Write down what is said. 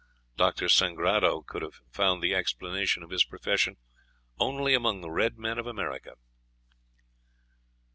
Dr. Sangrado could have found the explanation of his profession only among the red men of America.